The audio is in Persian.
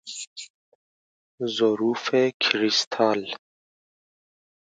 ظروف کریستال